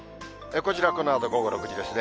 こちら、このあと午後６時ですね。